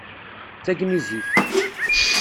D tagnizit.